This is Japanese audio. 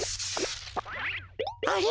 あれ！？